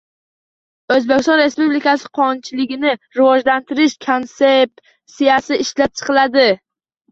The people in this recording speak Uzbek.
“O‘zbekiston Respublikasi qonunchiligini rivojlantirish konsepsiyasi” ishlab chiqiladi.